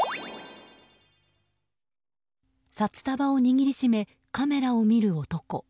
札束を握りしめカメラを見る男。